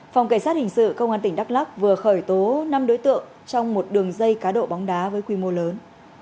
phòng cảnh sát hình sự công an tỉnh đắk lắc vừa khởi tố năm đối tượng trong một đường dây cá độ bóng đá với quy mô lớn